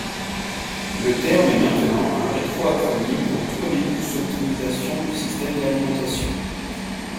Le terme est maintenant un rétroacronyme pour trolleybus optimisation du système d'alimentation.